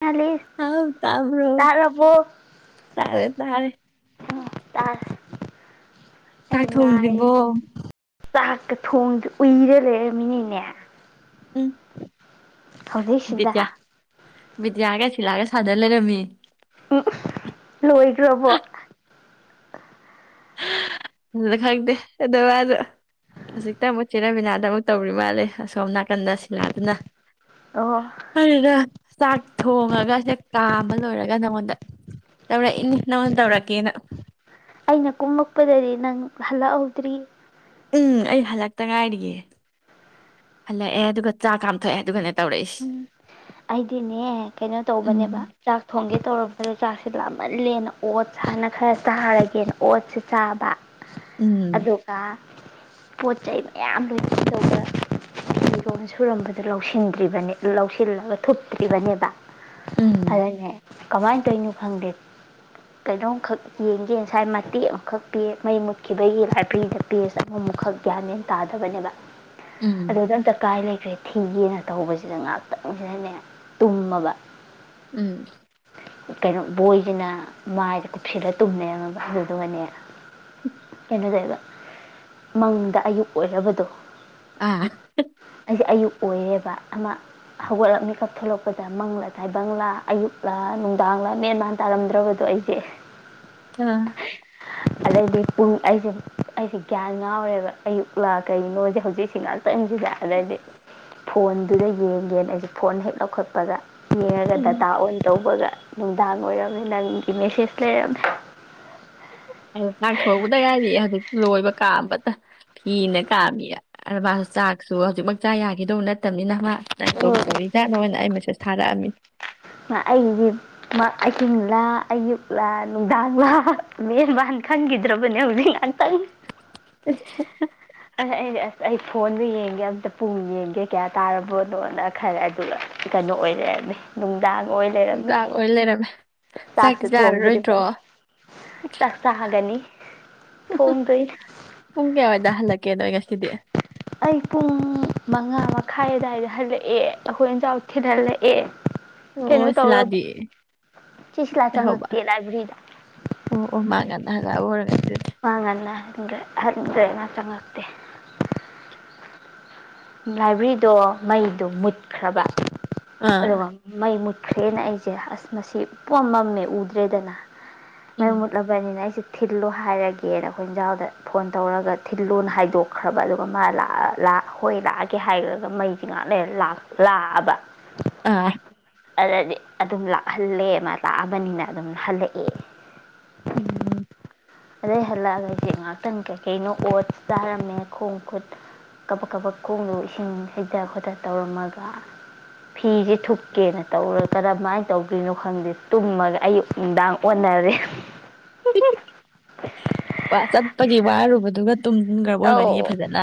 ꯉꯜꯂꯤ ꯑꯥꯎ ꯇꯥꯕ꯭ꯔꯣ ꯆꯥꯔꯕꯣ ꯇꯥꯔꯦ ꯇꯥꯔꯦ ꯇꯔ ꯇꯥꯛ ꯊꯣꯝꯗꯔꯤꯕꯣ ꯆꯥꯛꯀ ꯊꯣꯡꯗ ꯎꯏꯔ ꯂꯩꯔꯝꯃꯤꯅꯤꯅꯦ ꯎꯝ ꯍꯧꯖꯤꯛꯁꯤꯗ ꯕꯤꯗꯌꯥꯒ ꯁꯤꯜꯂꯥꯒ ꯁꯥꯟꯅ ꯂꯩꯔꯝꯃꯤ ꯎ ꯂꯣꯏꯗ꯭ꯔꯕꯣ ꯑꯗꯨꯗ ꯈꯪꯗꯦ ꯑꯗꯨꯗꯣ ꯍꯧꯖꯤꯛꯇ ꯑꯃꯨꯛ ꯆꯦꯔꯕꯤꯅꯥꯗ ꯑꯃꯨꯛ ꯇꯧꯔꯤ ꯃꯥꯜꯂꯦ ꯑꯁꯣꯝ ꯅꯥꯀꯟꯗ ꯁꯤꯂꯥꯗꯨꯅ ꯑꯣ ꯑꯗꯨꯅ ꯆꯥꯛ ꯊꯣꯡꯉꯒ ꯁꯦ ꯀꯥꯝꯕ ꯂꯣꯏꯔꯒ ꯅꯪꯉꯣꯟꯗ ꯇꯧꯔꯛ ꯏꯅꯦ ꯅꯪꯅ ꯇꯧꯔꯛꯀꯦꯅ ꯑꯩꯅ ꯀꯨꯝꯃꯛꯄꯗꯗꯤ ꯅꯪ ꯍꯜꯂꯛꯍꯧꯗ꯭ꯔꯤ ꯎꯝ ꯑꯩ ꯍꯜꯂꯛꯇ ꯉꯥꯏꯔꯤꯌꯦꯦ ꯍꯜꯂꯛꯑꯦ ꯑꯗꯨꯒ ꯆꯥ ꯀꯥꯝꯊꯣꯛꯑꯦ ꯑꯗꯨꯒ ꯎꯝ ꯑꯩꯗꯤꯅꯦ ꯀꯩꯅꯣ ꯇꯧꯕꯅꯦꯕ ꯎꯝ ꯆꯥꯛ ꯊꯣꯡꯒꯦ ꯇꯧꯔꯝꯕꯗ ꯆ ꯆꯥꯛꯁꯤ ꯂ ꯃꯜꯂꯦꯅ ꯑꯣꯠ ꯁꯥ ꯍꯥꯏꯥꯟꯅ ꯈꯔ ꯆꯥꯔꯒꯦꯅ ꯑꯣꯠꯁꯤ ꯆꯥꯕ ꯎꯝ ꯑꯗꯨꯒ ꯀ ꯄꯣꯠ ꯆꯩꯩ ꯃꯌꯥꯝ ꯂꯩꯒ ꯐꯤꯔꯣꯟ ꯁꯨꯔꯝꯕꯗ ꯂꯧꯁꯤꯟꯒꯦ ꯭ꯔꯤꯕꯅꯦ ꯂꯧꯁꯤꯜꯂꯒ ꯊꯨꯞꯇ꯭ꯔꯤꯕꯅꯦꯕ ꯎꯝ ꯇꯔꯉꯦ ꯀꯃꯥꯏꯅ ꯇꯧꯔꯤꯅꯣ ꯈꯪꯗꯦ ꯀꯩꯅꯣꯝꯈꯛ ꯌꯦꯡꯒꯦ ꯉꯁꯥꯏ ꯃꯇꯦꯛ ꯑꯃꯈꯛ ꯄꯤ ꯃꯩ ꯃꯨꯠꯈꯤꯕꯒꯤ ꯂꯥꯏꯕ꯭ꯔꯦꯔꯤꯗ ꯄꯦꯖ ꯑꯃꯃꯨꯛꯈꯛ ꯒ꯭ꯌꯥꯟꯅꯦꯦꯟ ꯇꯥꯗꯕꯅꯦꯕ ꯑꯗꯨ ꯎꯝ ꯑꯗꯨꯝ ꯆꯀꯥ ꯂꯩ ꯊꯤꯒꯦꯅ꯫ ꯊꯧꯕꯁꯤꯗ ꯉꯥꯛꯇꯪꯁꯤꯗꯅꯦ ꯇꯨꯝꯃꯕ꯫ ꯎꯝ꯫ ꯀꯩꯅꯣ ꯕꯣꯏꯁꯤꯅ ꯃꯥꯏꯗ ꯀꯨꯞꯁꯤꯜꯂ ꯇꯨꯝꯃꯦꯕ ꯑꯗꯨꯗꯨꯒꯅꯦ꯫ ꯀꯩꯅꯣꯇꯧꯏꯕ꯫ ꯃꯪꯗ ꯑꯌꯨꯛ ꯑꯣꯏꯔꯕꯗꯣ꯫ ꯑꯥ꯫ ꯑꯩꯁꯦ ꯑꯌꯨꯛ ꯑꯣꯏꯔꯦꯕ ꯑꯃ ꯍꯧꯒꯠꯂꯒ ꯃꯦꯀꯞ ꯊꯣꯛꯂꯛꯄꯗ ꯃꯪꯂꯥꯗꯥꯏꯕꯪꯂꯥ ꯑꯌꯨꯛ꯫ ꯅꯨꯡꯗꯥꯡ ꯂꯥ ꯃꯦꯟ ꯃꯥꯟ ꯇꯥꯔꯝꯗ꯭ꯔꯕꯗꯣ ꯑꯩꯁꯦ꯫ ꯑ꯫ ꯑꯗꯩꯗꯤ ꯄꯨꯡ ꯑꯩꯁꯦ ꯑꯩꯁꯦ ꯒ꯭ꯌꯥꯟ ꯉꯥꯎꯔꯦꯕ ꯑꯌꯨꯛꯂꯥ ꯀꯩꯅꯣꯁꯦ ꯍꯧꯖꯤꯛꯁꯤ ꯉꯥ ꯇꯪꯁꯤꯗ ꯑꯗꯩꯗꯤ ꯐꯣꯟ꯫ ꯑꯗꯨꯗ ꯌꯦꯡꯒꯦ ꯑꯩꯁꯦ ꯐꯣꯟ ꯍꯦꯛ ꯂꯧꯈꯠꯄꯒ꯫ ꯌꯦꯡꯉꯒ ꯎꯝ ꯗꯥꯇꯥ ꯑꯣꯟ꯫ ꯇꯧꯕꯒ ꯅꯨꯡꯗꯥꯡ ꯑꯣꯏꯔꯝꯃꯦ ꯅꯪꯒꯤ ꯃꯦꯁꯦꯁ ꯂꯩꯔꯝꯃꯦ꯫ ꯆꯥꯛ ꯊꯣꯡꯕꯗ ꯉꯥꯏꯔꯤꯌꯦ ꯍꯧꯖꯤꯛ ꯂꯣꯏꯕ ꯀꯥꯝꯕꯗ ꯐꯤꯅ ꯀꯥꯝꯃꯤ ꯑꯗ ꯃꯥꯁꯨ ꯆꯥꯛꯁꯨ ꯍꯧꯖꯤꯛꯃꯛ ꯆꯥꯥ ꯌꯥꯈꯤꯗꯧꯕ ꯅꯠꯇꯕꯅꯤꯅ ꯃꯥ꯫ ꯎꯝ [unintelligible] ꯗꯧꯔꯤꯖꯥꯠꯅꯣꯅ ꯑꯩ ꯃꯦꯁꯦꯁ ꯊꯥꯔꯛꯑꯝꯃꯤ꯫ ꯑꯩꯒꯤ ꯑꯍꯤꯡꯂꯥ ꯑꯌꯨꯛꯂꯥ ꯅꯨꯡꯗꯥꯡꯂꯥ ꯃꯦꯟꯕꯥꯟ ꯈꯪꯈꯤꯗ꯭ꯔꯕꯅꯦ ꯍꯧꯖꯤꯛ ꯉꯍꯥꯛꯇꯪ꯫ [unintelligible] ꯑꯁ ꯑꯩ ꯑꯁ ꯑꯩ ꯐꯣꯟꯗꯨ ꯌꯦꯡꯒꯦ ꯑꯇ ꯄꯨꯡ ꯌꯦꯡꯒꯦ ꯀꯌꯥ ꯇꯥꯔꯕꯅꯣꯅ ꯈꯔꯦ ꯑꯗꯨꯒ ꯀꯩꯅꯣ ꯑꯣꯏꯔ ꯂꯩꯔꯝꯃꯦ ꯅꯨꯡ [unintelligible] ꯑꯣꯏꯂꯩꯔꯝꯃꯦ꯫ ꯆꯥꯛꯇꯤ ꯆꯥꯛꯁꯨ ꯆꯥꯔꯔꯣꯏꯗ꯭ꯔꯣ ꯊꯣꯡꯗ꯭ꯔꯤꯕꯅꯤ ꯆꯥꯛ ꯆꯥꯒꯅꯤ ꯊꯣꯡꯗꯣꯏꯅꯦ ꯄꯨꯡ ꯀꯌꯥꯋꯥꯏꯗ ꯍꯜꯂꯛꯀꯦ꯫ ꯅꯣꯏ ꯉꯁꯤꯗꯤ꯫ ꯑꯩ ꯄꯨꯡ ꯃꯉꯥ ꯃꯈꯥꯏ ꯑꯋꯥꯏꯗ ꯍꯜꯂꯛꯑꯦ ꯑꯩꯈꯣꯏ ꯏꯟꯖꯥꯡ ꯊꯤꯟꯍꯜꯂꯛꯑꯦ꯫ ꯑꯣꯁꯤꯂꯥꯗꯤ ꯆꯦ ꯁꯤꯂꯥ ꯍꯣꯕꯥ ꯆꯪꯉꯛꯇꯦ ꯂꯥꯏꯕ꯭ꯔꯦꯔꯤꯗ ꯑꯣ ꯑꯣ ꯃꯥꯉꯟꯅ ꯍꯜꯂꯛꯑꯕ ꯑꯣꯏ ꯃꯥ ꯉꯟꯅ ꯍꯟꯒꯦ ꯍꯟꯒ꯭ꯔꯦ ꯃꯥ ꯆꯪꯉꯛꯇꯦ꯫ ꯂꯥꯏꯕꯦꯔꯤꯗꯣ ꯃꯩꯗꯣ ꯃꯨꯠ꯫ ꯈ꯭ꯔꯕ ꯑꯥ ꯑꯔꯨꯒ ꯃꯩ ꯃꯨꯠ ꯈ꯭ꯔꯦꯅ ꯑꯩꯁꯦ ꯑꯁ ꯃꯁꯤ ꯄꯨꯝꯃꯝ ꯃꯝꯃꯦ ꯎꯗ꯭ꯔꯦꯗꯅ꯫ ꯃꯩ ꯎꯝ ꯃꯨꯠꯂꯕꯅꯤꯅ ꯑꯩꯁꯦ꯫ ꯊꯤꯜꯂꯣ ꯍꯥꯏꯔꯒꯦꯅ ꯑꯩꯈꯣꯏ ꯌꯦꯟꯖꯥꯎꯗ ꯐꯣꯟ ꯇꯧꯔꯒ ꯊꯤꯜꯂꯣꯅ ꯍꯥꯏꯗꯣꯛꯈ꯭ꯔꯕ ꯑꯗꯨꯒ ꯃꯥ ꯂꯥ ꯂꯥ꯫ ꯍꯣꯏ ꯂꯥꯛꯑꯒꯦ ꯍꯥꯏꯈ꯭ꯔꯒ ꯃꯩꯁꯦ ꯉꯥꯛ ꯂꯩꯔ ꯂꯥꯛꯑꯕ꯫ ꯑꯥ꯫ ꯑꯗꯨꯗꯗꯤ ꯑꯗꯨꯝ ꯂꯥꯛꯍꯜꯂꯦ ꯑꯃ ꯂꯥꯛꯑꯕꯅꯤꯅ ꯑꯗꯨꯝ ꯍꯜꯂꯛꯑꯦ꯫ ꯎꯝ꯫ ꯑꯗꯩ ꯍꯜꯂꯛꯑꯒ ꯑꯩꯁꯦ ꯉꯍꯥꯛꯇꯪ ꯀꯩꯀꯩꯅꯣ ꯑꯣꯠꯁ ꯆꯥꯔꯝꯃꯦ ꯈꯣꯡ ꯈꯨꯠ꯫ ꯀꯕꯛ ꯈꯣꯡꯗꯣ ꯏꯁꯤꯡ ꯍꯩꯊ ꯈꯣꯠꯊ ꯇꯧꯔꯝꯃꯒ ꯐꯤꯁꯦ ꯊꯨꯞꯀꯦꯅ ꯇꯧꯔ ꯀꯔꯝꯃꯥꯏ ꯇꯧꯒ꯭ꯔꯤꯅꯣ ꯈꯪꯗꯦ ꯇꯨꯝꯃꯒ ꯑꯌꯨꯛ ꯅꯨꯡꯗꯥꯡ ꯑꯣꯟꯅꯔꯦ꯫ ꯋꯥ ꯆꯠꯄꯒꯤ ꯋꯥꯔꯨꯕꯗꯨꯒ ꯇꯨꯝꯈ꯭ꯔꯕ ꯑꯣꯏꯒꯅꯤꯌꯦ ꯑꯧ ꯐꯖꯅ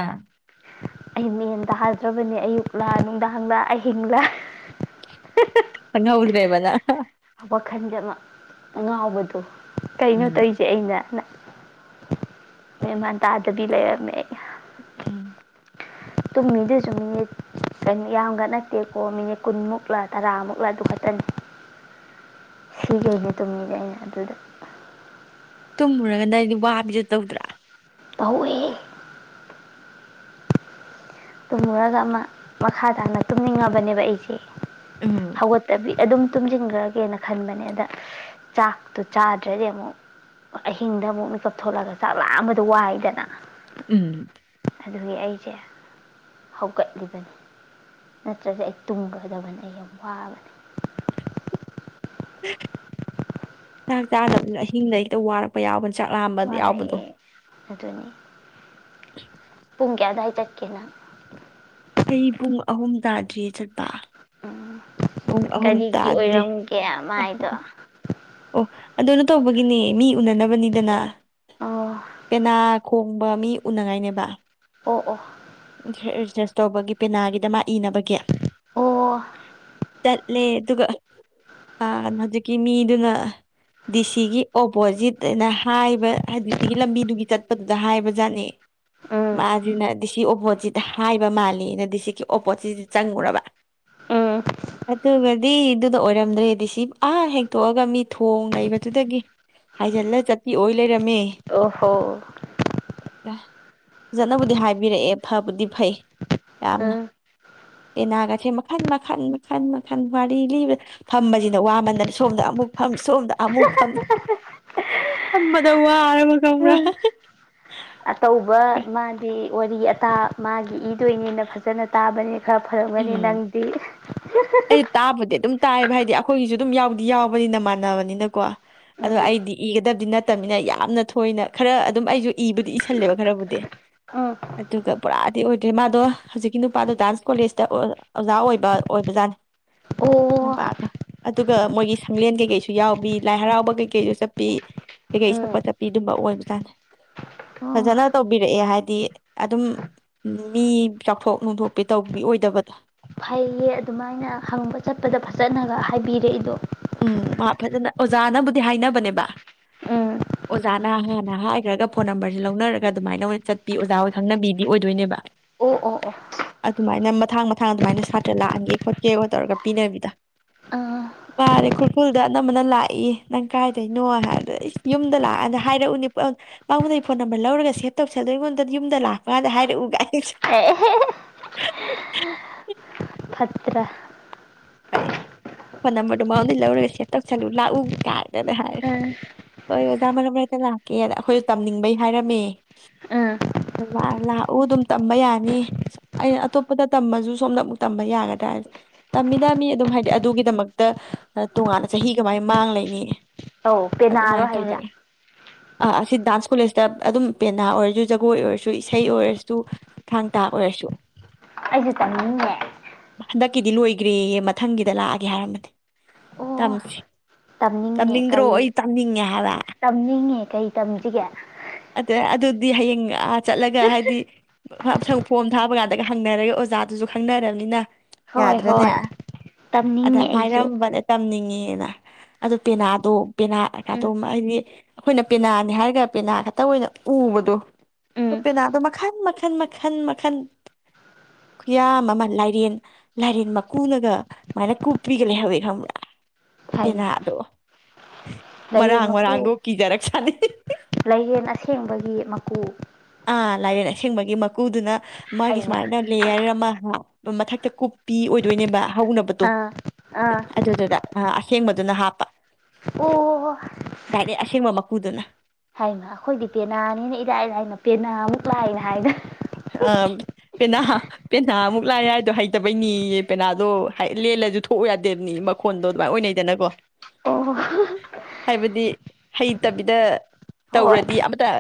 ꯑꯩ ꯃꯦꯟꯗꯥ ꯍꯥꯏꯗ꯭ꯔꯕꯅꯦ ꯑꯌꯨꯛꯂ ꯅꯨꯡꯗꯥꯡꯂꯥ ꯑꯍꯤꯡꯂꯥ ꯈꯪꯍꯧꯗ꯭ꯔꯦꯕ ꯅꯪ ꯋꯥꯈꯜꯖꯅ ꯑꯉꯥꯎꯕꯗꯣ ꯑꯣ ꯀꯩꯅꯣ ꯎꯝ ꯇꯧꯔꯤꯁꯦ ꯑꯩꯅ ꯃꯦꯃꯥꯟ ꯇꯗꯕꯤ ꯂꯩꯔꯝꯃꯦ ꯎꯝ ꯇꯨꯝꯃꯤꯗꯨꯁꯨ ꯃꯤꯅꯤꯠ ꯌꯥꯝꯒ ꯅꯠꯇꯦꯀꯣ ꯃꯤꯅꯤꯠ ꯀꯨꯟꯃꯨꯛꯂ ꯇꯔꯥꯃꯨꯛꯂ ꯑꯗꯨ ꯈꯛꯇꯅꯤ ꯁꯤꯒꯩꯒ ꯇꯨꯝꯃꯤꯁ ꯑꯩꯅ ꯑꯗꯨꯗ ꯇꯨꯝꯃꯨꯔꯒꯥ ꯅꯪꯗꯤ ꯋꯥꯕꯤꯗꯨ ꯇꯧꯗ꯭ꯔꯥ ꯇꯧꯏ ꯇꯨꯝꯃꯨꯔꯒ ꯑꯃ ꯃꯈꯥ ꯇꯥꯅ ꯇꯨꯝꯅꯤꯡꯉꯕꯅꯦꯕ ꯑꯩꯁꯦ ꯎꯝ ꯍꯧꯒꯠꯇꯕꯤ ꯑꯦ ꯑꯗꯨꯝ ꯇꯨꯝꯁꯤꯟꯈ꯭ꯔꯒꯦꯅ ꯈꯟꯕꯅꯦ ꯑꯗ ꯆꯥꯛꯇꯣ ꯆꯥꯗ꯭ꯔꯗꯤ ꯑꯃꯨꯛ ꯑꯍꯤꯡꯗ ꯑꯃꯨꯛ ꯃꯤꯠꯀꯞ ꯊꯣꯛꯂꯒ ꯆꯥꯛ ꯂꯥꯝꯕꯗꯣ ꯋꯥꯏꯗꯅ ꯎꯝ ꯑꯗꯨꯒꯤ ꯑꯩꯁꯦ ꯍꯧꯒꯠꯂꯤꯕꯅꯤ ꯅꯠꯇ꯭ꯔꯒ ꯑꯩ ꯇꯨꯝꯒꯗꯕꯅꯤ ꯑꯩ ꯌꯥꯝ ꯋꯥꯕꯅꯤ ꯆꯥꯛ ꯆꯥꯗꯕꯅ ꯑꯍꯤꯡꯗ ꯍꯦꯛꯇ ꯋꯥꯔꯛꯄ ꯌꯥꯎꯕꯅꯤ ꯆꯥꯛꯂꯥꯝꯕ ꯌꯥꯎꯕꯗꯣ ꯋꯥꯔꯛꯑꯦ ꯑꯗꯨꯅꯤ ꯄꯨꯨꯡ ꯀꯌꯥꯗꯥꯏ ꯆꯠꯀꯦ ꯅꯪ ꯑꯩ ꯄꯨꯡ ꯑꯍꯨꯝ ꯇꯥꯗ꯭ꯔꯤ ꯆꯠꯄ ꯎꯝ ꯄꯨꯡ ꯑꯍꯨꯝ ꯀꯔꯤꯒꯤ ꯇꯥꯗ꯭ꯔꯤ ꯑꯣꯏꯔꯝꯒꯦ ꯑꯍꯨꯝ ꯃꯥꯏꯗꯣ ꯑꯣ ꯑꯗꯨꯅ ꯇꯧꯕꯒꯤꯅꯦ ꯃꯤ ꯎꯅꯅꯕꯅꯤꯗꯅ ꯑꯣ ꯄꯦꯅꯥꯈꯣꯡ ꯃꯤ ꯎꯅꯉꯥꯏꯅꯦꯕ ꯑꯣ ꯑꯣ ꯑꯦꯖꯦꯁ ꯇꯧꯕꯒꯤ ꯄꯦꯅꯥꯒꯤꯗ ꯃꯥꯏ ꯏꯅꯕꯒꯤ ꯑꯣ ꯆꯠꯂꯦ ꯑꯗꯨꯒ ꯍꯧꯖꯤꯛꯀꯤ ꯃꯤꯗꯨꯅ ꯗꯤ ꯁꯤꯒꯤ ꯑꯣꯄꯣꯖꯤꯠ ꯑꯅ ꯍꯥꯏꯕ ꯍꯥꯏ ꯗꯤ ꯁꯤꯒꯤ ꯂꯝꯕꯤꯗꯨꯒꯤ ꯒꯤ ꯆꯠꯄꯗꯨꯗ ꯍꯥꯏꯕꯖꯥꯠꯅꯦ ꯎꯝ ꯃꯥꯖꯤꯅ ꯗꯤ ꯁꯤ ꯑꯣꯄꯣ ꯁꯤꯗ ꯍꯥꯏꯕ ꯃꯥꯂꯦꯅ ꯗꯤ ꯁꯤꯒꯤ ꯑꯣꯞꯄꯣꯠꯁꯤꯗ ꯆꯪꯉꯨꯔꯕ ꯎꯝ ꯑꯗꯨꯒꯗꯤ ꯑꯗꯨꯅ ꯑꯣꯏꯔꯝꯗ꯭ꯔꯦ ꯗꯤ ꯁꯤ ꯑꯥ ꯍꯦꯛꯇꯣꯛꯑꯒ ꯃꯤ ꯊꯣꯡ ꯂꯩꯕꯗꯨꯗꯒꯤ ꯍꯥꯏꯖꯤꯜꯂ ꯆꯠꯄꯤ ꯑꯣꯏ ꯂꯩꯔꯝꯃꯦ ꯑꯣꯍꯣ ꯐꯖꯅꯕꯨꯗꯤ ꯍꯥꯏꯕꯤꯔꯛꯑꯦ ꯐꯕꯨꯗꯤ ꯐꯩ ꯌꯥꯝ ꯎꯝ ꯄꯦꯟꯅꯥꯒ ꯁꯦ ꯃꯈꯟ ꯃꯈꯟ ꯃꯈꯟ ꯃꯈꯟ ꯋꯥꯔꯤ ꯂꯤꯕꯗ ꯐꯝꯕꯁꯤꯅ ꯋꯥꯃꯟꯗꯅ ꯁꯣꯝꯗ ꯑꯃꯨꯛ ꯐꯝ ꯁꯣꯝꯗ ꯑꯃꯨꯛ ꯐ ꯐ ꯋꯥꯔꯃꯤ ꯈꯪꯕ꯭꯭ꯔ ꯑꯇꯧꯕ ꯃꯥꯗꯤ ꯋꯥꯔꯤ ꯑꯇꯥ ꯃꯥꯒꯤ ꯏꯗꯣꯏꯅꯦꯅ ꯐꯖꯅ ꯇꯥꯕꯅꯦ ꯈꯔ ꯐꯔꯝꯒꯅꯤ ꯎꯝ ꯅꯪꯗꯤ ꯇꯥꯏꯕ ꯍꯥꯏꯗꯤ ꯑꯩꯈꯣꯏꯒꯤꯁꯨ ꯑꯗꯨꯝ ꯌꯥꯎꯗꯤ ꯌꯥꯎꯕꯅꯤꯅ ꯃꯥꯟꯅꯕꯅꯤꯅꯀꯣ ꯑꯗꯣ ꯎꯝ ꯑꯩꯗꯤ ꯏꯒꯗꯕꯗꯤ ꯅꯠꯇꯕꯅꯤꯅ ꯌꯥꯝꯅ ꯊꯣꯏꯅ ꯈꯔ ꯑꯗꯨꯝ ꯑꯩꯁꯨ ꯏꯕꯨꯗꯤ ꯏꯁꯤꯜꯂꯦꯕ ꯈꯔꯕꯨꯗꯤ ꯎꯝ ꯑꯗꯨꯒ ꯄꯨꯔꯥꯗꯤ ꯑꯣꯏꯗ꯭ꯔꯦ ꯃꯥꯗꯣ ꯍꯧꯖꯤꯛꯀꯤ ꯅꯨꯄꯥꯗꯣ ꯗꯥꯟꯁ ꯀꯣꯂꯦꯖꯇ ꯑꯣꯖꯥ ꯑꯣꯏꯕ ꯑꯣꯏꯕꯖꯥꯠꯅꯤ ꯑꯣ ꯅꯨꯄꯥꯗꯣ ꯑꯗꯨꯒ ꯃꯣꯏꯒꯤ ꯁꯪꯂꯦꯟ ꯀꯩꯀꯩꯁꯨ ꯌꯥꯎꯕꯤ ꯂꯥꯏ ꯍꯔꯥꯎꯕ ꯀꯩꯀꯩꯁꯨ ꯆꯠꯄꯤ ꯀꯩꯀꯩ ꯎꯝ ꯁꯛꯄ ꯆꯠꯄꯤ ꯑꯗꯨꯝꯕ ꯑꯣꯏꯕꯖꯥꯠ ꯐꯖꯅ ꯑꯣ ꯇꯧꯕꯤꯔꯛꯑꯦ ꯍꯥꯏꯗꯤ ꯑꯗꯨꯝ ꯃꯤ ꯆꯥꯎꯊꯣꯛ ꯅꯨꯡꯊꯣꯛꯄꯤ ꯇꯧꯕꯤ ꯑꯣꯏꯗꯕꯗꯣ ꯐꯩꯑꯦ ꯑꯗꯨꯃꯥꯏꯅ ꯍꯪꯕ ꯆꯠꯄꯗ ꯐꯖꯅꯒ ꯍꯥꯏꯕꯤꯔꯛꯦꯗꯣ ꯎꯝ ꯃꯥ ꯐꯖꯅ ꯑꯣꯖꯥꯅꯕꯨꯗꯤ ꯍꯥꯏꯅꯕꯅꯦꯕ ꯎꯝ ꯑꯣꯖꯥꯅ ꯍꯥꯟꯅ ꯍꯥꯏꯈ꯭ꯔꯒ ꯐꯣꯟ ꯅꯝꯕꯔꯁꯦ ꯂꯧꯅꯔꯒ ꯑꯗꯨꯃꯥꯏꯅ ꯑꯣꯏꯅ ꯆꯠꯄꯤ ꯑꯣꯖꯥ ꯍꯣꯏ ꯈꯪꯅꯕꯤꯗꯤ ꯑꯣꯏꯗꯣꯏꯅꯦꯕ ꯑꯣ ꯑꯣ ꯑꯣ ꯑꯗꯨꯃꯥꯏꯅ ꯃꯊꯪ ꯃꯊꯪ ꯑꯗꯨꯃꯥꯏꯅ ꯁꯥꯇ꯭ꯔ ꯂꯥꯛꯍꯟꯒꯦ ꯈꯣꯠꯀꯦ ꯇꯧꯔꯒ ꯄꯤꯅꯕꯤꯗꯣ ꯑꯥ ꯃꯥꯔꯦ ꯈꯨꯔꯈꯨꯜꯗ ꯑꯅꯝꯕꯅ ꯂꯥꯛꯏ ꯅꯪ ꯀꯥꯏꯗꯣꯏꯅꯣ ꯍꯥꯏꯕꯗ ꯑꯩ ꯌꯨꯝꯗ ꯂꯥꯛꯑꯥꯟꯗ ꯍꯥꯏꯔꯛꯎꯅꯤ ꯄꯥꯃꯨꯡꯅ ꯑꯩ ꯐꯣꯟ ꯅꯝꯕꯔ ꯂꯧꯔꯒ ꯁꯦꯚ ꯇꯧꯁꯜꯂꯣ ꯑꯩꯉꯣꯟꯗ ꯌꯨꯝꯗ ꯂꯥꯛꯄ ꯀꯥꯟꯗ ꯍꯥꯏꯔꯛꯎꯒꯥꯏ ꯍ ꯐꯠꯇ꯭ꯔꯥ ꯍꯥꯏ ꯐꯣꯟ ꯅꯝꯕꯔꯗꯨꯣ ꯃꯔꯣꯟꯗꯒꯤꯩ ꯂꯧꯔꯒ ꯁꯦꯚ ꯇꯧꯁꯜꯂꯨ ꯂꯥꯛꯎ ꯀꯥꯏꯗꯅ ꯍꯥꯏꯔꯦ ꯎꯝ ꯍꯣꯏ ꯑꯣꯖꯥ ꯃꯔꯝ ꯃꯔꯛꯇ ꯂꯥꯛꯀꯦꯗ ꯑꯩꯈꯣꯏꯁꯨ ꯇꯝꯅꯤꯡꯕꯩ ꯍꯥꯏꯔꯝꯃꯦ ꯎꯝ ꯂꯥꯛꯎ ꯑꯗꯨꯝ ꯇꯝꯕ ꯌꯥꯅꯤ ꯑꯩꯅ ꯑꯇꯣꯞꯄꯗ ꯇꯝꯃꯁꯨ ꯁꯣꯝꯗ ꯑꯃꯨꯛ ꯇꯝꯕ ꯌꯥꯒꯗ꯭ꯔꯥ ꯇꯝꯃꯤꯗ ꯃꯤ ꯑꯗꯨꯝ ꯍꯥꯏꯗꯤ ꯑꯗꯨꯒꯤꯗꯃꯛꯇ ꯇꯣꯉꯥꯟꯅ ꯆꯍꯤ ꯀꯃꯥꯏ ꯃꯥꯡꯂꯩꯅꯤ ꯑꯧ ꯄꯦꯟꯅꯔꯣ ꯍꯥꯏꯁꯦ ꯑꯥ ꯑꯁꯤ ꯗꯥꯟꯁ ꯀꯣꯂꯦꯖꯇ ꯑꯗꯨꯝ ꯄꯦꯟꯅꯥ ꯑꯣꯏꯔꯁꯨ ꯖꯒꯣꯏ ꯑꯣꯏꯔꯁꯨ ꯏꯁꯩ ꯑꯣꯏꯔꯁꯨ ꯊꯥꯡ ꯇꯥ ꯑꯣꯏꯔꯁꯨ ꯑꯁꯨ ꯇꯝꯅꯤꯡ ꯉꯏꯅꯦ ꯀꯤꯗꯤ ꯂꯣꯏꯈ꯭ꯔꯦꯑꯦ ꯃꯊꯪꯒꯤꯗ ꯂꯥꯛꯑꯒꯦ ꯌꯥꯏ ꯍꯥꯏꯔꯃꯗꯤ ꯑꯣ ꯇꯝꯁꯤ ꯇꯝꯅꯤꯡꯉꯦ ꯇꯝꯅꯤꯡꯗ꯭ꯔꯣ ꯀꯩ ꯑꯩ ꯇꯝꯅꯤꯡꯉꯦ ꯍꯥꯏꯕ ꯇꯝꯅꯤꯡꯉꯦ ꯀꯩ ꯇꯝꯁꯤꯒꯦ ꯑꯗꯨꯗ ꯑꯗꯨꯗꯤ ꯍꯌꯦꯡ ꯑꯥ ꯆꯠꯂꯒ ꯍꯥꯏꯗꯤ ꯁꯪ ꯐꯣꯝ ꯊꯥꯕ ꯀꯥꯟꯗꯒ ꯍꯪꯅꯔꯒ ꯑꯣꯖꯥꯗꯨꯁꯨ ꯈꯪꯅꯔꯕꯅꯤꯅ ꯍꯣꯏ ꯌꯥꯗ꯭ꯔꯅꯦ ꯍꯣꯏ ꯑꯗ ꯇꯝꯅꯤꯡꯉꯦ ꯑꯩꯁꯨ ꯍꯥꯏꯔꯝꯕꯅꯦ ꯇꯝꯅꯤꯡꯉꯤ ꯑꯗꯨ ꯄꯦꯅꯥꯗꯣ ꯄꯦꯅꯥ ꯀꯩꯀꯗꯣ ꯎꯝ ꯍꯥꯏꯗꯤ ꯑꯩꯈꯣꯏꯅ ꯄꯦꯅꯥꯅꯦ ꯍꯥꯏꯔꯒ ꯄꯦꯅꯥ ꯈꯠꯇꯥ ꯑꯣꯏꯅꯥ ꯎꯕꯗꯣ ꯎꯝ ꯄꯦꯅꯥꯗꯣ ꯃꯈꯜ ꯃꯈꯜ ꯃꯈꯟ ꯃꯈꯜ ꯈꯨꯌꯥꯝ ꯑꯃ ꯂꯥꯏꯔꯦꯟ ꯂꯥꯏꯔꯦꯟ ꯃꯀꯨꯅꯒ ꯁꯨꯃꯥꯏꯅ ꯀꯨꯞꯄꯤꯒ ꯂꯩꯍꯧꯋꯦ ꯈꯪꯕ꯭ꯔꯥ ꯍꯩꯃ ꯄꯦꯅꯥꯗꯣ ꯃꯔꯥꯡ ꯃꯔꯥꯡꯗꯣ ꯀꯤꯖꯔꯛꯁ ꯑ [inaudible] [unintelligible] ꯂꯩꯌꯦꯦꯟ ꯑꯁꯦꯡꯕꯒꯤ ꯃꯀꯨ ꯑꯥ ꯂꯥꯏꯔꯦꯟ ꯑꯁꯦꯡꯕꯒꯤ ꯃꯀꯨꯗꯨꯅ ꯃꯥꯒꯤ ꯍꯩꯃ ꯁꯨꯃꯥꯏꯅ ꯂꯦꯌꯔ ꯑꯃ ꯃꯊꯛꯇ ꯀꯨꯞꯄꯤ ꯑꯣꯏꯗꯣꯏꯅꯦꯕ꯫ ꯍꯧꯅꯕꯗꯣ ꯑꯥ ꯑꯥ ꯑꯗꯨꯗꯨꯗ꯫ ꯑ ꯑꯁꯦꯡꯕꯗꯨꯅ ꯍꯥꯞꯄ ꯑꯣ ꯗꯥꯏꯔꯦꯛ ꯑꯁꯦꯡꯕ ꯃꯀꯨꯗꯨꯅ꯫ ꯍꯥꯏꯃ ꯑꯩꯈꯣꯏꯗꯤ ꯇꯦꯅꯥꯅꯤꯅ ꯏꯔꯥꯏ ꯂꯥꯏꯅ꯫ ꯇꯦꯅꯥ ꯃꯨꯛ ꯂꯥꯏꯅ ꯍꯥꯏꯗ꯫ ꯑ ꯄꯦꯅꯥ ꯄꯦꯅꯥꯃꯨꯛ ꯂꯥꯏ ꯍꯥꯏꯗꯣ ꯍꯩꯇꯕꯩꯅꯤꯌꯦ ꯄꯦꯅꯥꯗꯣ ꯂꯦꯜꯂꯁꯨ ꯊꯣꯛꯎ ꯌꯥꯗꯦꯕꯅꯤ ꯃꯈꯣꯟꯗꯣ ꯑꯗꯨꯃꯥꯏꯅ ꯑꯣꯏꯅꯩꯗꯅꯀꯣ ꯑꯣ ꯍꯥꯏꯕꯗꯤ ꯍꯩꯇꯕꯤꯗ꯫ ꯍꯣꯏ ꯇꯧꯔꯗꯤ ꯑꯃꯇ꯫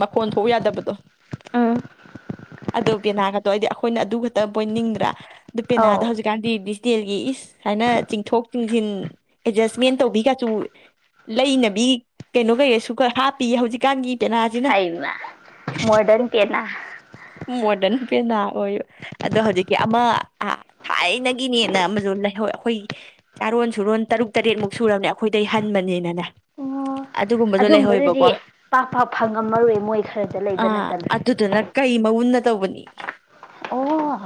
ꯃꯈꯣꯟ ꯊꯣꯛꯎ ꯌꯥꯗꯕꯗꯣ꯫ ꯎꯝ ꯑꯗꯣ ꯄꯦꯅꯥ ꯒꯇꯣ ꯑꯩꯗꯤ ꯑꯩꯈꯣꯏꯅ ꯑꯗꯨ ꯈꯇ ꯄꯣꯏꯅꯤꯡꯗ꯭ꯔꯥ꯫ ꯗꯨ ꯄꯦꯅꯥꯗꫭ ꯑꯧ ꯍꯧꯖꯤꯛꯀꯥꯟꯗꯤ ꯗꯤ꯫ ꯇꯦꯜꯒꯤ ꯏꯁ ꯁꯥꯏꯅ ꯆꯤꯡꯊꯣꯛ ꯆꯤꯡꯁꯤꯟ ꯑꯦꯗꯖꯁꯃꯦꯟ ꯇꯧꯕꯤ ꯀꯁꯨ ꯂꯩꯅꯕꯤ ꯀꯩꯅꯣ ꯀꯩꯅꫭꯁꯨ ꯈꯔ ꯍꯥꯞꯄꯤ ꯍꯧꯖꯤꯛꯀꯥꯟꯒꯤ꯫ ꯄꯦꯅꯥꯁꯤꯅ ꯍꯥꯏꯃ ꯃꯣꫪꯗꯟ ꯄꯦꯅ꯫ ꯃꯣꯗꯔꯟ ꯄꯦꯅꯥ ꯑꯣꯏꯌꫭ ꯑꯗꯣ ꯍꯧꯖꯤꯛꯀꯤ ꯑꯃ ꯊꯥꯏꯅꯒꯤꯅꯦꯅ ꯑꯃꯁꯨ ꯂꯩꯍꯧꯋꯦ ꯑꯩꯈꯣꯏ ꯆꯥꯔꯣꯟ ꯁꯨꯔꯣꯟ ꯇꯔꯨꯛ ꯇꯔꯦꯠꯃꯨꯛ ꯁꯨꯔꯕꯅꯦ ꯑꯩꯈꯣꯏꯗꯩ ꯍꯟꯕꯅꯤꯅꯅꯦ꯫ ꯑꯣ ꯑꯗꯨꯒꯨꯝꯕꯁꯨ ꯑꯗꯨꯝꯕꯗꯨꯗꯤ ꯂꯩꯍꯧꯋꯦꯕꯀꯣ ꯄꯥꯛ ꯄꯥꯛ ꯐꯪꯉꯝꯃꯔꯣꯏ ꯃꯣꯏ ꯈꯔꯗ ꯂꯩꯕ ꯑꯥ ꯅꯠꯇꯅ꯫ ꯑꯗꯨꯗꯨꯅ ꯀꯩ ꯃꯎꯨꯟꯅ ꯇꯧꯕꯅꯤ ꯑꯣ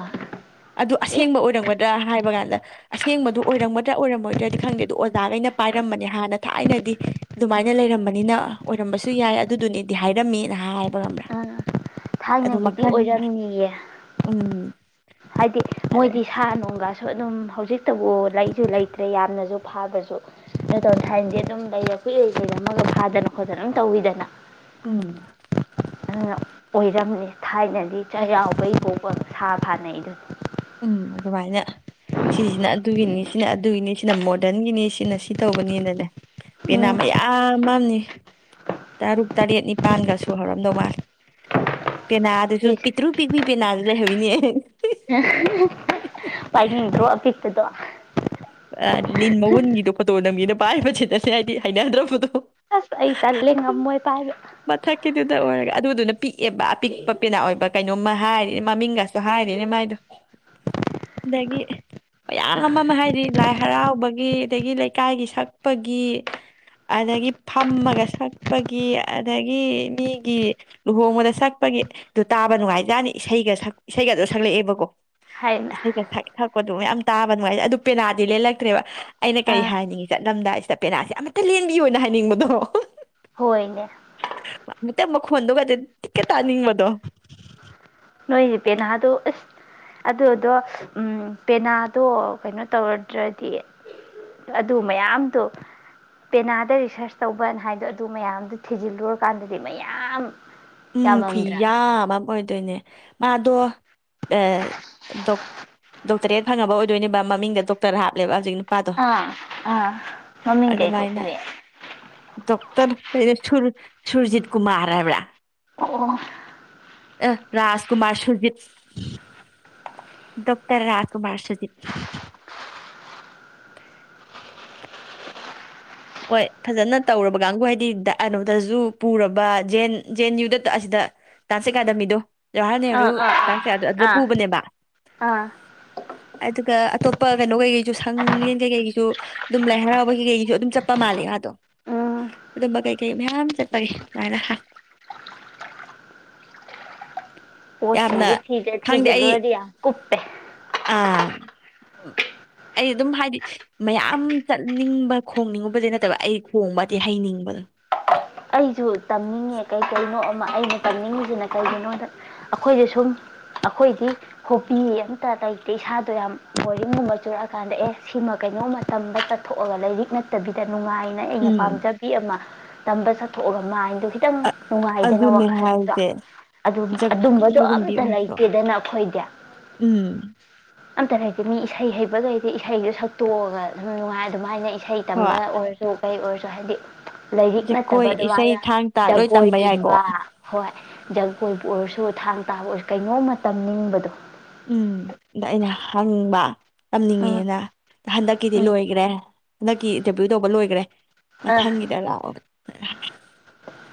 ꯑꯗꯨ ꯏꯁ ꯑꯁꯦꯡꯕ ꯑꯣꯏꯔꯝꯒꯗ꯭ꯔꯥ ꯍꯥꯏꯕ ꯀꯥꯟꯗ ꯑꯁꯦꯡꯕꯗꯨ ꯑꯣꯏꯔꯝꯒꯗ꯭ꯔꯥ ꯑꯣꯏꯔꯝꯃꯣꯏꯗ꯭ꯔꯗꯤ ꯈꯪꯗꯦ ꯑꯗꯨ ꯑꯣꯖꯥꯈꯩꯅ ꯄꯥꯏꯔꯝꯕꯅꯦ ꯍꯥꯟꯅ ꯊꯥꯏꯅꯗꯤ ꯑꯗꯨꯃꯥꯏꯅ ꯂꯩꯔꯝꯕꯅꯤꯅ ꯑꯣꯏꯔꯝꯕꯁꯨ ꯌꯥꯏ ꯑꯗꯨꯗꯨꯅꯤꯗꯤ ꯍꯥꯏꯔꯝꯃꯦꯅ ꯍꯥꯏꯕ ꯈꯝꯕ꯭ꯔꯥ꯫ ꯑꯥ ꯊꯥꯏꯅꯒꯤꯗꯤ ꯑꯣꯏꯔꯝꯅꯤꯌꯦ꯫ ꯎꯝ ꯍꯥꯏꯗꯤ ꯑꯗꯩ ꯃꯣꯏꯗꯤ ꯁꯥ ꯅꯨꯡꯒ꯫ ꯁꯨ ꯑꯗꯨꯝ ꯍꯧꯖꯤꯛꯇꯕꯨ꯫ ꯂꯩꯁꯨ ꯂꯩꯇ꯭ꯔꯦ ꯌꯥꯝꯅꯁꯨ꯫ ꯐꯥꯕꯁꯨ ꯅꯠꯇ‌꯭ꯔꯝ ꯊꯥꯏꯟꯗꯤ ꯑꯗꯨꯝ ꯂꯩꯔ ꯀꯨꯏꯂꯩ ꯂꯩꯔꯝꯃꯒ ꯐꯥꯗꯅ ꯈꯣꯠꯇꯅ ꯑꯗꯨꯝ ꯇꯧꯋꯤꯗꯅ꯫ ꯎꯝ꯫ ꯑꯗꯨꯅ ꯑꯣꯏꯔꯝꯅꯤ ꯊꯥꯏꯅꯗꯤ ꯆꯩꯔꯥꯎꯕꯩ ꯕꫭꯛꯄ ꯁꯥ ꯐꯥꯅꯩ ꯑꯗꯨꯅꯤ꯫ ꯎꯝ ꯑꯗꯨꯃꯥꯏꯅ ꯁꯤꯁꯤꯅ ꯑꯗꯨꯒꯤꯅꯤ ꯁꯤꯅ ꯑꯗꯨꯒꯤꯅꯤ ꯁꯤꯅ ꯃꯣꫪꯗꯟꯒꯤꯅꯤ ꯁꯤꯅ ꯁꯤ ꯇꯧꯕꯅꯤꯅꯅꯦ꯫ ꯄꯦꯅꯥ ꯎꯝ ꯃꯌꯥꯝ ꯃꯅꯤ ꯇꯔꯨꯛ ꯇꯔꯦꯠ ꯅꯤꯄꯥꯜꯒꯁꯨꯍꯧꯔꯝꯗꯧ ꯃꯥꯜꯂꯦ꯫ ꯄꯦꯅꯥ ꯗꯨꯁꯨ ꯄꯤꯛꯇ꯭ꯔꯨ ꯄꯤꯛꯄꯤ ꯄꯦꯅꯥꯖꯨ ꯂꯩꯍꯧꯋꯤꯅꯦ [unintelligible] ꯄꯥꯏꯅꯤꯡꯗ‌꯭ꯔꯣ ꯑꯄꯤꯛꯄ꯫ ꯇꫭ꯫ ꯑ ꯂꯤꯟ ꯃꯥꯎꯟꯒꯤꯗꫭ ꯐꫭꯇꫭ꯫ ꯅꯝꯒꯦꯅ ꯄꯥꯏꯕꯁꯤꯗꯅꯦ ꯑꯩꯗꯤ ꯍꯩꯅꯗ꯭ꯔꯕꯗꫭ꯫ ꯑꯁ ꯑꯩ ꯇꯜꯂꯦ ꯉꯃꯣꯏ ꯄꯥꯏꯗ ꯃꯊꯛꯀꯤꯗꯨꯗ ꯑꯣꯏꯔꯒ ꯑꯗꯨꯗꯨꯅ ꯄꯤꯛꯑꯦꯕ ꯑꯄꯤꯛꯄ ꯄꯦꯅꯥ ꯑꯣꯏꯕ ꯀꯩꯅꯣꯝꯃ ꯍꯥꯏꯔꯤꯅꯦ ꯃꯃꯤꯡꯒꯁꯨ ꯍꯥꯏꯔꯤꯅꯦ ꯃꯥꯏꯗꯣ ꯑꯗꯒꯤ ꯃꯌꯥꯝ ꯑꯃ ꯑꯃ ꯍꯥꯏꯗꯤ ꯂꯥꯏ ꯍꯔꯥꯎꯕꯒꯤ ꯑꯗꯒꯤ ꯂꯩꯀꯥꯏꯒꯤ ꯁꯛꯄꯒꯤ ꯑꯗꯒꯤ ꯐꯝꯃꯒ ꯁꯛꯄꯒꯤ ꯑꯗꯒꯤ ꯃꯤꯒꯤ ꯂꯨꯍꯣꯡꯕꯗ ꯁꯛꯄꯒꯤ ꯑꯗꯨ ꯇꯥꯕ ꯅꯨꯡꯉꯥꯏꯖꯥꯅꯤ ꯏꯁꯩꯒ ꯁꯛ ꯏꯁꯩꯒꯖꯨ ꯁꯛꯂꯛꯑꯦꯕꯀꯣ ꯍꯥꯏꯅ ꯏꯁꯩꯒ ꯁꯛ ꯀꯣ ꯑꯗꯨꯝ ꯌꯥꯝ ꯇꯥꯕ ꯅꯨꯡꯉꯥꯏ ꯍꯥꯏꯗꯤ ꯑꯗꯨ ꯄꯦꯅꯥ ꯂꯦꯜꯂꯛꯇ꯭ꯔꯦꯕ ꯑꯩꯅ ꯀꯔꯤ ꯑꯥ ꯍꯥꯏꯅꯤꯡꯉꯤ ꯆꯠꯂꯝꯗꯥꯏꯁꯤꯗ ꯄꯦꯅꯥꯁꯦ ꯑꯃꯨꯛꯇ ꯂꯦꯟꯕꯤꯌꯣꯅ ꯍꯥꯏꯅꯤꯡꯕꯗꯣ ꯍꯣꯏꯅꯦ ꯍꯦꯛꯇ ꯃꯈꯟꯗꯨꯒ ꯍꯦꯛꯇ ꯇꯥꯅꯤꯡꯕꯗꯣ ꯅꯣꯏꯗꯤ ꯄꯦꯅꯥꯗꯣ ꯑꯁ ꯑꯗꯨꯗꯣ ꯄꯦꯅꯥꯗꯣ ꯀꯩꯅꯣ ꯇꯧꯔꯗ꯭ꯔꯗꯤ ꯑꯗꯨ ꯃꯌꯥꯝꯗꯣ ꯄꯦꯅꯥꯗ ꯔꯤꯁꯔꯁ ꯇꯧꯕꯅ ꯍꯥꯏꯗꯣ ꯑꯗꯨ ꯃꯌꯥꯝꯗꯣ ꯊꯤꯖꯤꯜꯂꯨꯔꯀꯥꯟꯗꯗꯤ ꯃꯌꯥꯝ ꯎꯝ ꯈꯨꯏ ꯌꯥꯝꯃꯝꯗ꯭ꯔꯥ ꯌꯥꯕ ꯑꯃ ꯑꯣꯏꯗꯣꯏꯅꯦ ꯃꯥꯗꯣ ꯗꯣꯛ ꯗꯣꯛꯇꯔꯦꯠ ꯐꯪꯉꯕ ꯑꯣꯏꯗꯣꯏꯅꯦꯕ ꯃꯃꯤꯡꯗ ꯗꯣꯛꯇꯔ ꯍꯥꯞꯂꯦꯕ ꯍꯧꯖꯤꯛ ꯅꯨꯄꯥꯗꯣ ꯑꯥ ꯑꯥ ꯃꯃꯤꯡ ꯀꯩ ꯀꯧꯋꯦ ꯀ ꯁꯨꯔ ꯁꯨꯔꯖꯤꯠ ꯀꯨꯃꯔ ꯍꯥꯏꯕ꯭ꯔꯥ ꯑꯣ ꯑꯣ ꯑ ꯔꯥꯖꯀꯨꯃꯥꯔ ꯁꯨꯔꯖꯤꯠ ꯗꯣꯛꯇꯔ ꯔꯥꯖꯀꯨꯃꯥꯔ ꯁꯨꯔꯖꯤꯠ ꯍꯣꯏ ꯐꯖꯅ ꯇꯧꯔꯕ ꯀꯥꯡꯕꯨ ꯍꯥꯏꯗꯤ ꯀꯩꯅꯣꯝꯇꯁꯨ ꯄꯨꯔꯕ ꯖꯦꯟ ꯖꯦꯟ ꯌꯨꯗ ꯑꯁꯤꯗ ꯗꯥꯟꯁ ꯑꯦꯀꯥꯗꯃꯤꯗꯣ ꯖꯋꯥꯍꯔ ꯅꯦꯍꯔꯨ ꯑꯥ ꯑꯥ ꯗꯥꯟꯁ ꯑꯗꯨꯗ ꯑꯥ ꯑꯥ ꯄꯨꯕꯅꯦꯕ ꯑꯥ ꯑꯗꯨꯒ ꯑꯇꯣꯞꯄ ꯀꯩꯅꯣ ꯀꯩꯀꯩꯁꯨ ꯁꯪꯂꯦꯟ ꯀꯩꯀꯩꯒꯤꯁꯨ ꯑꯗꯨꯝ ꯂꯥꯏ ꯍꯔꯥꯎꯕ ꯀꯩꯀꯩꯒꯤꯁꯨ ꯑꯗꯨꯝ ꯆ ꯆꯠꯄ ꯃꯥꯜꯂꯦ ꯃꯥꯗꯣ ꯎꯝ ꯑꯗꯨꯝꯕ ꯀꯩꯀꯩ ꯃꯌꯥꯝ ꯆꯠꯄꯒꯤ ꯑꯗꯨꯃꯥꯏꯅ ꯍꯥꯏ ꯑꯣ ꯌꯥꯝꯅ ꯆꯪ ꯊꯤꯗ ꯊꯤꯖꯜꯂꯨꯔꯗꯤ ꯌꯥꯝ ꯀꯨꯞꯄꯦ ꯑ ꯑꯩ ꯑꯗꯨꯝ ꯍꯥꯏꯗꯤ ꯃꯌꯥꯝ ꯆꯠꯅꯤꯡꯕ ꯈꯣꯡꯅꯤꯡꯉꯕꯗꯤ ꯅꯠꯇꯕ ꯑꯩ ꯈꯣꯡꯕꯗꯤ ꯍꯩꯅꯤꯡꯕꯗꯣ ꯑꯩꯁꯨ ꯇꯝꯅꯤꯡꯉꯦ ꯀꯩ ꯀꯩꯅꯣ ꯑꯩꯅ ꯇꯝꯅꯤꯡꯉꯤꯁꯤꯅ ꯀꯩꯒꯤꯅꯣꯗ ꯑꯩꯈꯣꯏꯗ ꯁꯨꯝ ꯑꯩꯈꯣꯏꯗꯤ ꯍꯣꯕꯤ ꯑꯝꯇ ꯂꯩꯇꯦ ꯏꯁꯥꯗꯣ ꯌꯥꯝ ꯕꯣꯔꯤꯡꯒꯨꯝꯕ ꯆꯨꯔꯛꯑꯀꯥꯟꯗ ꯑꯦ ꯁꯤꯃ ꯀꯩꯅꯣꯝ ꯃꯇꯝꯗ ꯇꯠꯊꯣꯛꯑꯒ ꯂꯥꯏꯔꯤꯛ ꯅꯠꯇꯕꯤꯗꯅ ꯅꯨꯡꯉꯥꯏꯅ ꯑꯩꯅ ꯎꯝ ꯄꯥꯝꯖꯕꯤ ꯑꯃ ꯇꯝꯕ ꯁꯛ ꯂꯥꯏꯟꯗꯣ ꯈꯤꯇꯪ ꯅꯨꯡꯉꯥꯏꯗꯅ ꯑꯗꯨꯅꯦ ꯋꯥꯈꯜꯗꯣ ꯍꯥꯏꯁꯦ ꯑꯗꯨꯝ ꯑꯗꯨꯝꯕꯗꯣ ꯖꯒꯣꯏꯒꯨꯝꯕꯤ ꯑꯝꯇ ꯑꯣꯏꯔꯁꯨ ꯂꯩꯇꯦꯗꯅ ꯑꯈꯣꯏꯗꯤ ꯎꯝ ꯑꯝꯇ ꯂꯩꯇꯦ ꯃꯤ ꯏꯁꯩ ꯍꯩꯕꯒꯩꯗꯤ ꯏꯁꯩꯗꯨꯣ ꯁꯛꯇꯣꯛꯑꯒ ꯑꯗꯨꯝ ꯅꯨꯡꯉꯥꯏ ꯑꯗꯨꯃꯥꯏꯅ ꯏꯁꯩ ꯍꯣꯏ ꯇꯝꯕ ꯑꯣꯏꯔꯁꯨ ꯀꯩ ꯑꯣꯏꯔꯁꯨ ꯆ ꯍꯥꯏꯗꯤ ꯂꯥꯏꯔꯤꯛꯅ ꯖꯒꯣꯏ ꯅꯠꯇꯕ ꯏꯁꯩ ꯑꯗꯨꯃꯥꯏꯅ ꯊꯥꯡ ꯇꯥ ꯂꯣꯏ ꯇꯝꯕ ꯌꯥꯏꯀꯣ ꯖꯒꯣꯏꯒꯨꯝꯕ ꯍꯣꯏ ꯖꯒꯣꯏꯕꯨ ꯑꯣꯏꯔꯁꯨ ꯁꯨ ꯊꯥꯡ ꯇꯥꯕ ꯑꯣꯏꯔꯁꯨ ꯀꯩꯅꯣꯝꯃ ꯇꯝꯅꯤꯡꯕꯗꯣ ꯎꯝ ꯑꯗ ꯑꯩꯅ ꯍꯪꯕ ꯎꯝ ꯇꯝꯅꯤꯡꯉꯦꯅ ꯍꯟꯗꯛꯀꯤꯗꯤ ꯎꯝ ꯂꯣꯏꯈꯔ꯭ꯦ ꯍꯟꯗꯛꯀꯤ ꯏꯟꯗꯔꯚꯌꯨ ꯇꯧꯕ ꯂꯣꯏꯈꯔ꯭ꯦ ꯑꯥ ꯃꯊꯪꯒꯤꯗ ꯂꯥꯛꯑꯣꯒꯦ [inaudible]